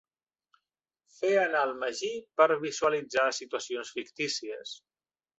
Fer anar el magí per visualitzar situacions fictícies.